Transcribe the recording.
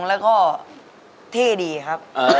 แล้วอิฐะ